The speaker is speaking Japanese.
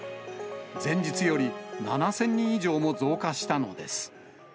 前日より７０００人以上も増加したのです。